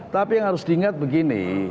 tapi yang harus diingat begini